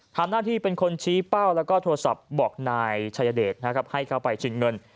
ทำหน้าที่เป็นคนชี้เป้าแล้วก็โทรศัพท์บอกนายชายเดชนะครับให้เข้าไปชิงเงิน